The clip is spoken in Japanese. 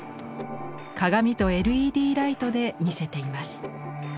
鏡とＬＥＤライトで見せています。